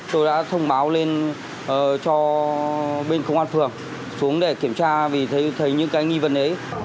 tôi đã thông báo lên cho bên công an phường xuống để kiểm tra vì thấy những cái nghi vấn ấy